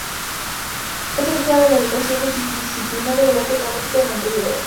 Es egresada de la Escuela Multidisciplinaria de Arte Dramático de Montevideo.